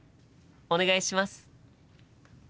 お願いします。